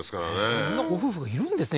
あんなご夫婦がいるんですね